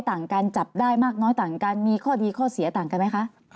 ต่างกันจับได้มากน้อยต่างกันมีข้อดีข้อเสียต่างกันไหมคะ